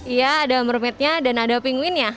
iya ada mermaid nya dan ada penguin nya